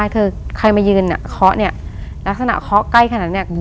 คือใครมายืนเคาะเนี่ยลักษณะเคาะใกล้ขนาดนั้นเนี่ย